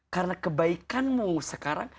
karena kebaikanmu sekarang